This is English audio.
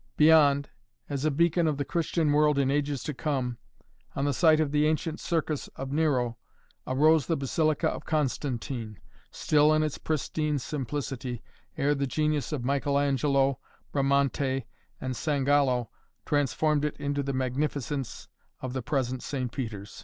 Beyond, as a beacon of the Christian world in ages to come, on the site of the ancient Circus of Nero, arose the Basilica of Constantine, still in its pristine simplicity, ere the genius of Michel Angelo, Bramanté and Sangallo transformed it into the magnificence of the present St. Peter's.